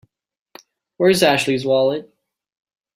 Where's Ashley's wallet?